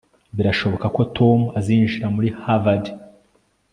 birashoboka ko tom azinjira muri harvard